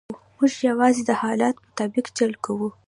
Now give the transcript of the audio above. موږ یوازې د حالت مطابق چل کوو.